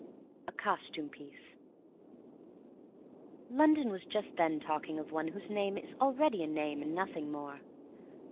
A COSTUME PIECE London was just then talking of one whose name is already a name and nothing more.